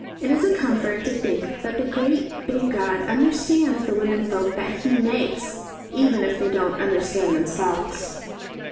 It is a comfort to think that the great big God understands the women folk that He makes, even if they don't understand themselves.